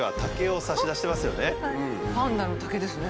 パンダの竹ですね。